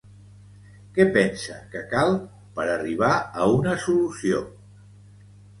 Què pensa que cal per arribar a una solució?